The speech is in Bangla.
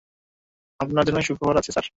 আপনার জন্য সুখবর আছে, স্যার।